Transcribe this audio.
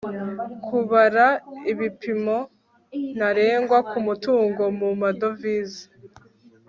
kubara ibipimo ntarengwa ku mutungo mu madovize